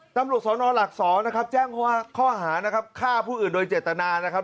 ตำรวจสนหลัก๒นะครับแจ้งข้อหานะครับฆ่าผู้อื่นโดยเจตนานะครับ